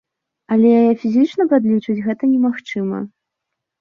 Але фізічна падлічыць гэта магчыма.